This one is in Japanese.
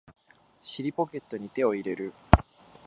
尻ポケットに手を入れる